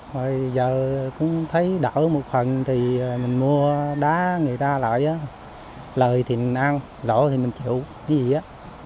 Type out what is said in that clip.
rồi giờ cũng thấy đỡ một phần thì mình mua đá người ta lại á lời thì ăn lộ thì mình chịu cái gì á